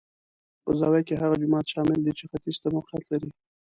په زاویه کې هغه جومات شامل دی چې ختیځ ته موقعیت لري.